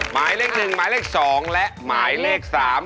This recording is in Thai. หมายเลขหนึ่งหมายเลขสองและหมายเลขสาม